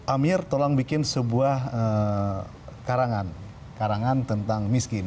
amir tolong bikin sebuah karangan karangan tentang miskin